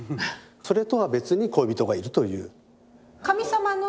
それとは別に恋人がいるという。